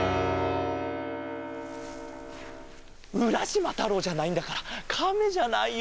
うらしまたろうじゃないんだからカメじゃないよ。